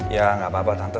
ya nggak apa apa tante